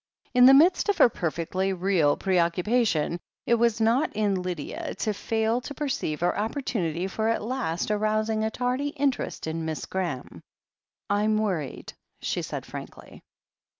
In the midst of her perfectly real preoccupation, it was not in Lydia to fail to perceive her opportunity for at last arousing a tardy interest in Miss Graham. "I'm worried," she said frankly.